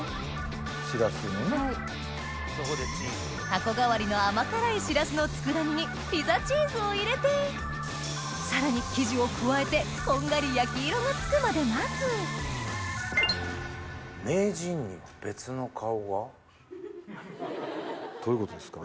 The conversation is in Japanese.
たこ代わりの甘辛いしらすの佃煮にピザチーズを入れてさらに生地を加えてこんがり焼き色がつくまで待つどういうことですか？